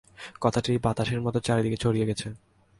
কথাটা বাতাসের মত চারিদিকে ছড়িয়ে গেছে।